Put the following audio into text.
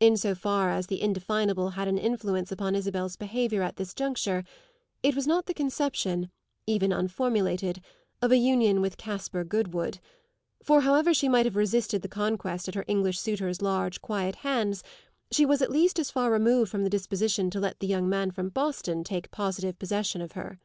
In so far as the indefinable had an influence upon Isabel's behaviour at this juncture, it was not the conception, even unformulated, of a union with Caspar Goodwood; for however she might have resisted conquest at her English suitor's large quiet hands she was at least as far removed from the disposition to let the young man from Boston take positive possession of her.